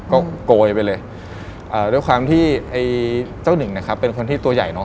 ก็โกยไปเลยด้วยความที่เจ้าหนึ่งเป็นคนที่ตัวใหญ่